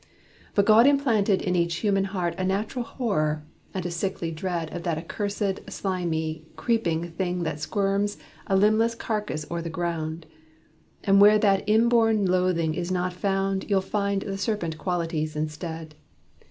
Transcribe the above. But God implanted in each human heart A natural horror, and a sickly dread Of that accursèd, slimy, creeping thing That squirms a limbless carcass o'er the ground. And where that inborn loathing is not found You'll find the serpent qualities instead.